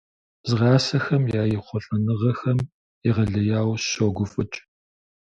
Згъасэхэм я ехъулӀэныгъэхэм егъэлеяуэ сыщогуфӀыкӀ.